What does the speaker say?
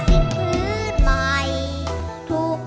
สิ้นสวยสักคืนเสื้อตัวงามบ่เคยได้เห็น